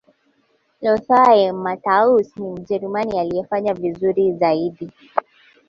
lotthae mattaus ni mjerumani aliyefanya vizuri zaidi